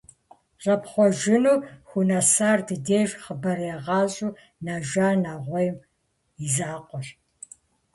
ЩӀэпхъуэжыну хунэсар ди деж хъыбарегъащӀэ нэжа нэгъуейм и закъуэщ.